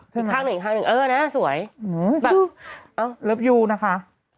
ใช่ไหมอีกข้างหนึ่งเออนะสวยแบบโอ้รับยูนะคะ